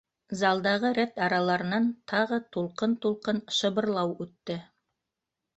Залдағы рәт араларынан тағы тулҡын-тулҡын шыбырлау үтте: